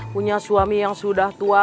punya suami yang sudah tua